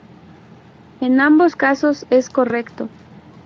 En ambos casos es correcto.